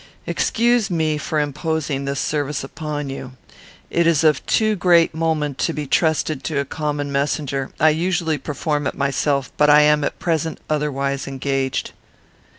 Excuse me for imposing this service upon you. It is of too great moment to be trusted to a common messenger; I usually perform it myself, but am at present otherwise engaged."